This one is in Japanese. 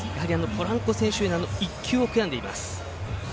ポランコ選手への１球を悔やんでいます。